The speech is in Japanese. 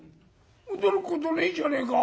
驚くことねえじゃねえか」。